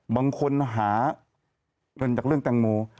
บางคนหาเงินจากเรื่องแตงโม